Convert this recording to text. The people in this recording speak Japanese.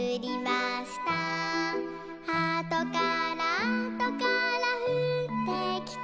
「あとからあとからふってきて」